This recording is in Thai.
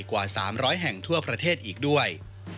กว่า๓๐๐แห่งทั่วประเทศอีกด้วย